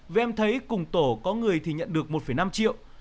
và em thấy cùng tổ có người thì nhận được một năm triệu